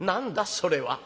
それは」。